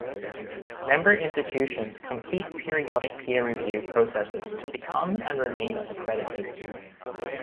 Member institutions complete periodic peer review processes to become, and remain, accredited.